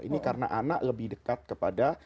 ini karena anak lebih dekat kepada